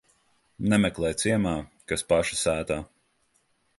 Nemeklē ciemā, kas paša sētā.